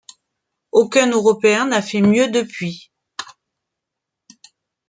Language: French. Aucun Européen n'a fait mieux depuis.